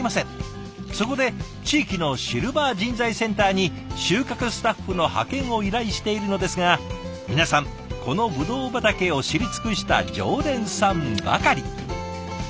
そこで地域のシルバー人材センターに収穫スタッフの派遣を依頼しているのですが皆さんこのブドウ畑を知り尽くした常連さんばかり。